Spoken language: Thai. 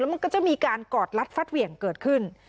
มันก็จะมีการกอดรัดฟัดเหวี่ยงเกิดขึ้น